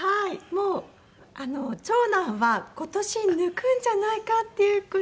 もう長男は今年抜くんじゃないかっていうくらいもう今。